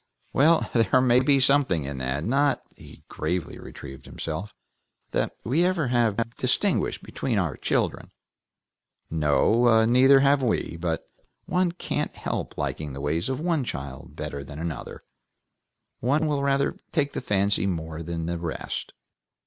"Well, there may be something in that. Not," he gravely retrieved himself, "that we have ever distinguished between our children." "No, neither have we. But one can't help liking the ways of one child better than another; one will rather take the fancy more than the rest."